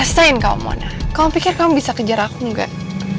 rasain kau mona kamu pikir kamu bisa kejar aku gak